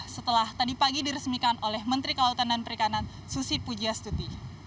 setelah tadi pagi diresmikan oleh menteri kelautan dan perikanan susi pujiastuti